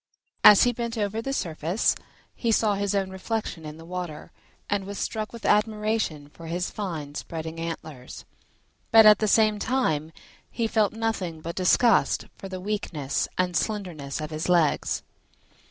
As he bent over the surface he saw his own reflection in the water, and was struck with admiration for his fine spreading antlers, but at the same time he felt nothing but disgust for the weakness and slenderness of his legs.